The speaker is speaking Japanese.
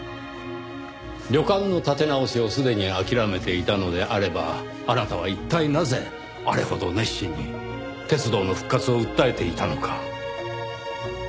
旅館の立て直しをすでに諦めていたのであればあなたは一体なぜあれほど熱心に鉄道の復活を訴えていたのか。